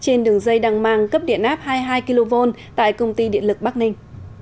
trên đường dây đằng màng cấp điện áp hai mươi hai kv tại công ty điện lực bắc ninh